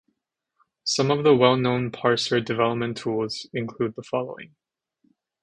Some of the well known parser development tools include the following.